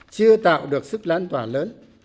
chưa tạo được sức lan tỏa lớn